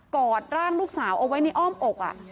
อดร่างลูกสาวเอาไว้ในอ้อมอก